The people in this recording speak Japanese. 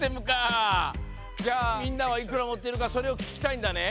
じゃあみんなはいくらもってるかそれをききたいんだね。